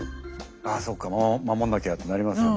あそっか守んなきゃってなりますよね。